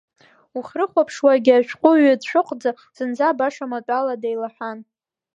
Уахьрыхәаԥшуагьы ашәҟәыҩҩы дцәыӷӡа, зынӡа баша маҭәала деилаҳәан.